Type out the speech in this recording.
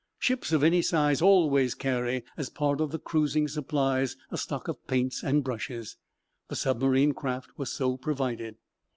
Ships of any size always carry, as a part of the cruising supplies, a stock of paints and brushes. The submarine craft was so provided.